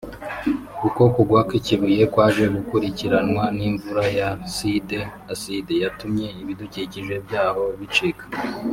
uko kugwa kw'ikibuye kwaje gukurikirwa n'imvura y'aside (acide) yatumye ibidukikije byaho bicika